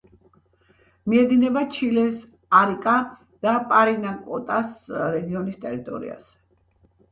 მიედინება ჩილეს არიკა და პარინაკოტას რეგიონის ტერიტორიაზე.